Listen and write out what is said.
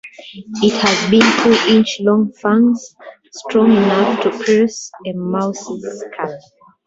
It has two-inch-long fangs strong enough to pierce a mouse's skull.